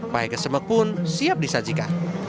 mae kesembek pun siap disajikan